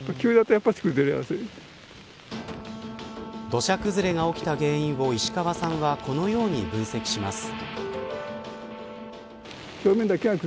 土砂崩れが起きた原因を石川さんはこのように分析します。